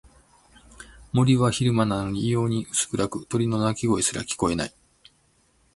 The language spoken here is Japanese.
森は昼間なのに異様に薄暗く、鳥の鳴き声すら聞こえない。